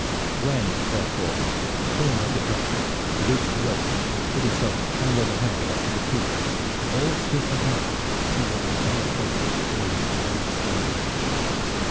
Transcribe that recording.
When, therefore, swimming like a duck, he reached a rope and pulled himself hand over hand up to the quay, all stood aghast to see what fell fate would befall this bold stranger.